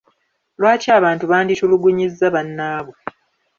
Lwaki abantu banditulugunyizza bannaabwe?